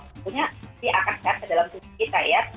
tentunya di akan set ke dalam tubuh kita ya